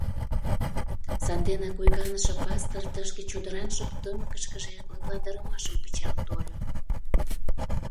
Санденак ойганыше пастор тышке чодыран шып-тымыкыштыже лыпландарымашым кычал тольо.